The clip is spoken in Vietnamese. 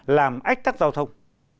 làm ách tắt giao thông